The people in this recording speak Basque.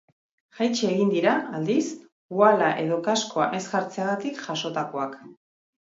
Jaitsi egin dira, aldiz, uhala edo kaskoa ez jartzeagatik jasotakoak.